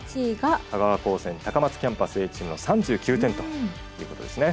香川高専高松キャンパスＡチームの３９点ということですね。